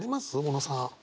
小野さん。